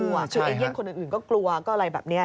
คือเอเย่นคนอื่นก็กลัวก็อะไรแบบนี้